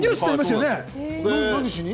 何しに？